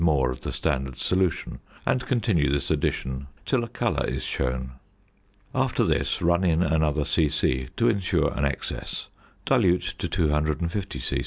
more of the standard solution and continue this addition till a colour is shown. After this run in another c.c. to ensure an excess, dilute to 250 c.c.